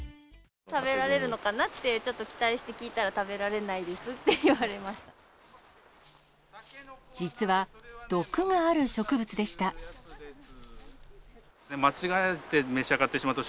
食べられるのかなってちょっと期待して聞いたら、食べられないですって言われました。